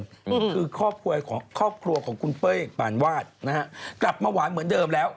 คือครอบครัวของคุณเป้ยปานวาดนะฮะกลับมาหวานเหมือนเดิมแล้ว